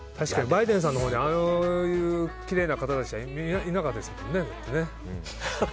バイデンさんのほうにはああいう、きれいな方たちはいなかったですもんね。